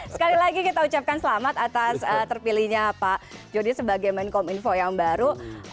sekali lagi kita ucapkan selamat atas terpilihnya pak jody sebagai menkom info yang baru